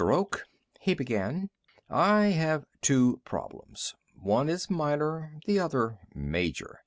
Oak," he began, "I have two problems. One is minor, the other major.